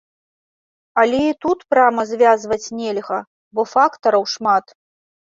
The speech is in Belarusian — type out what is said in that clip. Але і тут прама звязваць нельга, бо фактараў шмат.